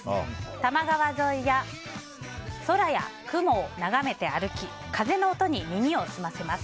多摩川沿いや空や雲を眺めて歩き風の音に耳を澄ませます。